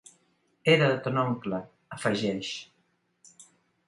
Era de ton oncle, afegeix.